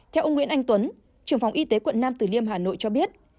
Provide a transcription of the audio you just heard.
theo ông nguyễn anh tuấn trường phòng y tế quận năm từ liêm hà nội cho biết